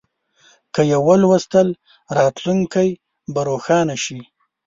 که یې ولوستل، راتلونکی به روښانه شي.